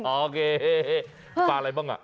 โอเคปลาอะไรบ้างอ่ะ